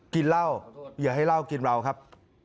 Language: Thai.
กินเล่าเหลือให้เล่ากินเราครับ